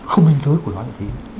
không hình thối của nó như thế